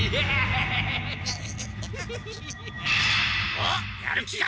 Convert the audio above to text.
おっやる気か！？